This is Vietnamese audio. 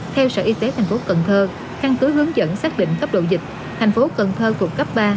theo sở y tế thành phố cần thơ căn cứ hướng dẫn xác định tốc độ dịch thành phố cần thơ thuộc cấp ba